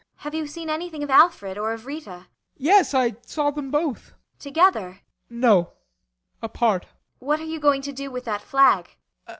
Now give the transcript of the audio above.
Have you seen anything of Alfred? Or of Rita? BORGHEIM. Yes, I saw them both. ASTA. Together? BORGHEIM. No apart. ASTA. What are you going to do with that flag?